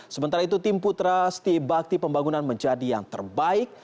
sementara itu tim putra sti bakti pembangunan menjadi yang terbaik